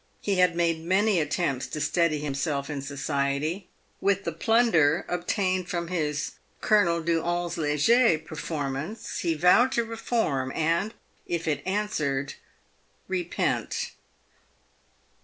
He had made many attempts to steady himself in society. With the plunder obtained from his " Colonel du ll e Leger" performance he vowed to reform, and, if it answered, repent.